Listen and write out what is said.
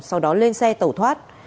sau đó lên xe tẩu thoát